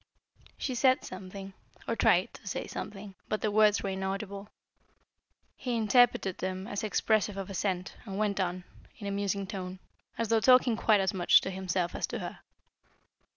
She said something, or tried to say something, but the words were inaudible; he interpreted them as expressive of assent, and went on, in a musing tone, as though talking quite as much to himself as to her.